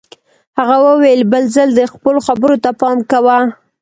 هغه وویل بل ځل دې خپلو خبرو ته پام کوه